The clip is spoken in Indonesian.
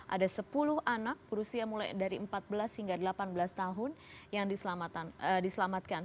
ada sepuluh anak berusia mulai dari empat belas hingga delapan belas tahun yang diselamatkan